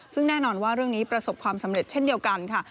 ซึ่งแน่นอนว่าเรื่องนี้ประสบความสำเร็จเช่นเดียวกันค่ะ